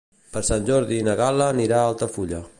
Per Sant Jordi na Gal·la anirà a Altafulla.